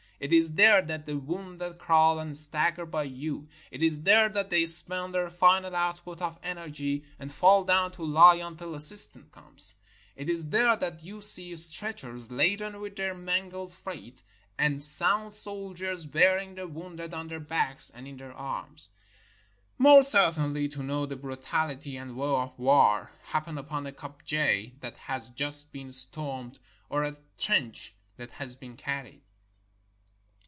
It is there that the wounded crawl and stagger by you; it is there that they spend their final output of energy, and fall down to lie until assistance comes ; it is there that you see stretchers laden with their mangled freight, and sound soldiers bearing the wounded on their backs and in their arms. More certainly to know the brutality and woe of war, happen upon a kopje that has just been stormed, or a 461 SOUTH AFRICA trench that has been carried.